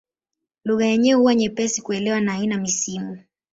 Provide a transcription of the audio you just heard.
Lugha yenyewe huwa nyepesi kuelewa na haina misimu.